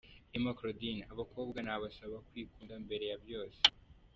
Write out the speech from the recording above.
Emma Claudine: Abakobwa nabasaba kwikunda mbere ya byose.